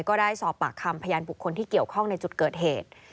ก็ได้สอบปากคำพยานบุคคลที่เกี่ยวข้องในจุดเกิดเหตุ